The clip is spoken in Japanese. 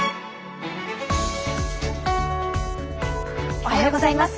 おはようございます。